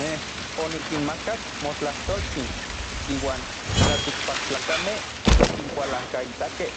Nej onikinmakak motlajtoltsin, iuan tlaltikpaktlakamej okinkualankaitakej.